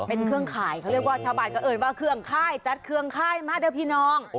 เป็นเครื่องข่ายเขาเรียกว่าชาวบ้านก็เอิญว่าเครื่องค่ายจัดเครื่องค่ายมาเด้อพี่น้อง